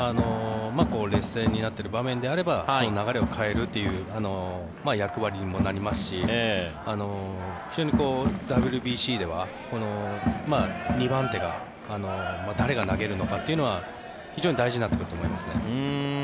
劣勢になっている場面であればその流れを変えるという役割にもなりますし非常にＷＢＣでは、２番手が誰が投げるのかというのは非常に大事になってくると思います。